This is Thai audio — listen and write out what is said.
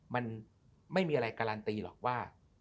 มันไม่มีอะไรการันตีหรอกว่า